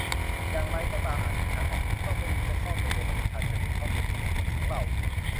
อย่างไรก็ตามอาจมีทางออก ซึ่งต้องไม่ลืมว่าข้อมูลในบัตรประชาชนเป็นข้อมูลส่วนบุคคคลของเรา